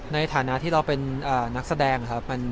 ในฐานะที่เราเป็นนักแสดงครับ